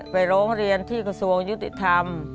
ร้องเรียนที่กระทรวงยุติธรรม